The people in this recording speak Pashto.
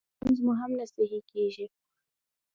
لمونځ مو هم نه صحیح کېږي